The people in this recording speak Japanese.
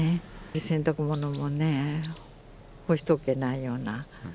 洗濯物もね、干しとけないような。